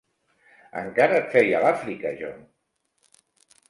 Encara et feia a l'Àfrica, jo!